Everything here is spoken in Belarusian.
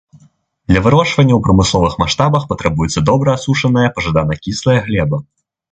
Для вырошчвання ў прамысловых маштабах патрабуецца добра асушаная, пажадана кіслая глеба.